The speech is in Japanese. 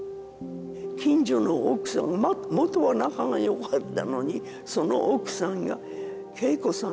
近所の奥さん元は仲がよかったのにその奥さんが桂子さん